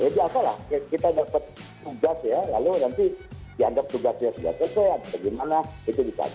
jadi apa lah kita dapat tugas ya lalu nanti diantar tugasnya tugasnya itu bagaimana itu bisa